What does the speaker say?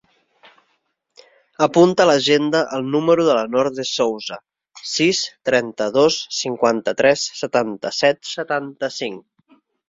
Apunta a l'agenda el número de la Noor De Souza: sis, trenta-dos, cinquanta-tres, setanta-set, setanta-cinc.